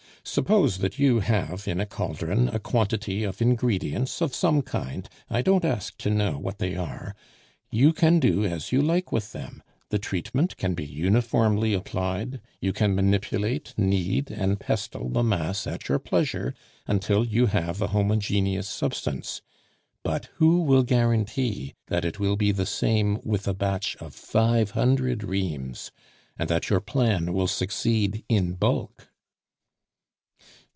Suppose that you have in a caldron a quantity of ingredients of some kind (I don't ask to know what they are), you can do as you like with them, the treatment can be uniformly applied, you can manipulate, knead, and pestle the mass at your pleasure until you have a homogeneous substance. But who will guarantee that it will be the same with a batch of five hundred reams, and that your plan will succeed in bulk?"